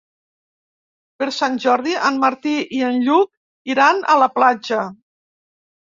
Per Sant Jordi en Martí i en Lluc iran a la platja.